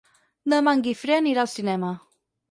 Demà en Guifré anirà al cinema.